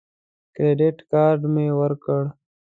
کریډټ کارت مې ورکړ.